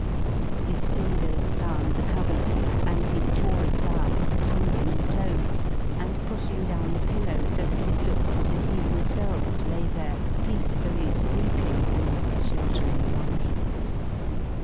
His fingers found the coverlet and he tore it down, tumbling the clothes and pushing down the pillow so that it looked as if he himself lay there, peacefully sleeping beneath the sheltering blankets....